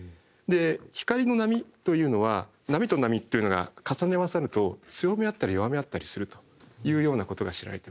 光の波というのは波と波というのが重ね合わさると強め合ったり弱め合ったりするというようなことが知られてます。